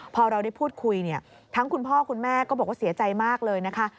พอเราได้พูดคุยเนี่ยทั้งคุณพ่อคุณแม่ก็บอกว่าเสียใจมากเลยนะคะ